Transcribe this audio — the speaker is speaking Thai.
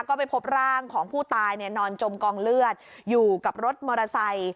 ก็ไปพบร่างของผู้ตายนอนจมกองเลือดอยู่กับรถมอเตอร์ไซค์